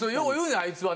あいつはね。